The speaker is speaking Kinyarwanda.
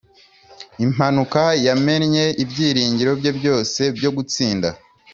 [impanuka yamennye ibyiringiro bye byose byo gutsinda